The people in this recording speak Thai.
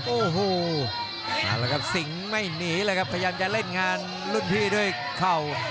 โอ้โหเอาละครับสิงห์ไม่หนีเลยครับพยายามจะเล่นงานรุ่นพี่ด้วยเข่า